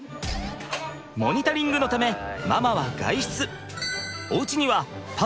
モニタリングのためママは外出。